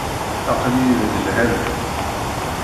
Aql-iyi deg Lhend.